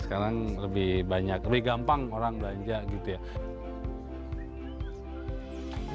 sekarang lebih banyak lebih gampang orang belanja gitu ya